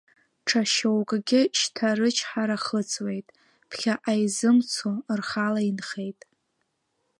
Ҽа шьоукгьы шьҭа рычҳара хыҵуеит, ԥхьаҟа изымцо, рхала инхеит.